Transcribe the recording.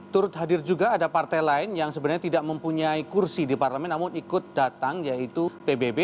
turut hadir juga ada partai lain yang sebenarnya tidak mempunyai kursi di parlemen namun ikut datang yaitu pbb